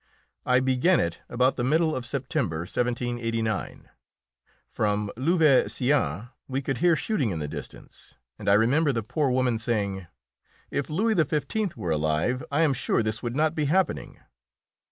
I began it about the middle of September, 1789. From Louveciennes we could hear shooting in the distance, and I remember the poor woman saying, "If Louis XV. were alive I am sure this would not be happening."